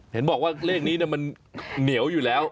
เห็นบอกว่าเลขนี้มันเหนียวอยู่แล้ว